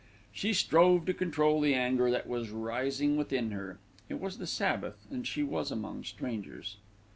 She strove to control the anger that was rising within her. It was the Sabbath, and she was among strangers.